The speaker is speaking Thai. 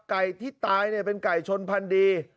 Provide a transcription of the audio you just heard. ไก่ที่ตายเนี่ยเป็นไก่ชนพันธุ์ดี